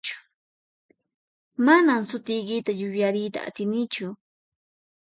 Manan sutiykita yuyariyta atinichu.